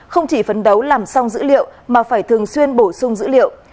không chỉ phấn đấu làm xong dữ liệu mà phải thường xuyên bổ sung dữ liệu